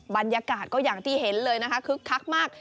บรรยากาศก็อย่างที่เห็นเลยนะคะคึกคักมาก